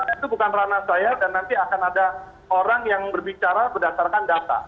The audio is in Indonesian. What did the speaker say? itu bukan ranah saya dan nanti akan ada orang yang berbicara berdasarkan data